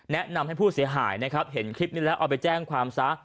แนะนำให้ผู้เสียหายนะครับเห็นคลิปนี้แล้วเอาไปแจ้งความซะ